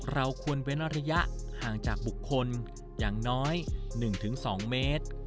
เราควรเว้นระยะห่างจากบุคคลอย่างน้อย๑๒เมตร